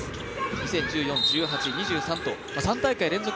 ２０１４、１８、２３と３大会連続